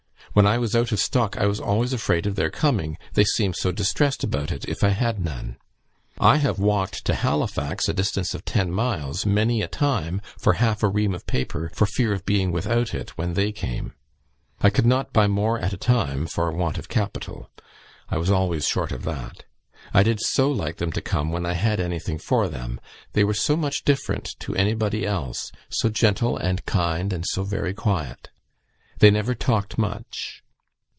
When I was out of stock, I was always afraid of their coming; they seemed so distressed about it, if I had none. I have walked to Halifax (a distance of ten miles) many a time, for half a ream of paper, for fear of being without it when they came. I could not buy more at a time for want of capital. I was always short of that. I did so like them to come when I had anything for them; they were so much different to anybody else; so gentle and kind, and so very quiet. They never talked much.